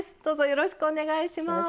よろしくお願いします。